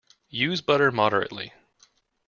Use butter moderately.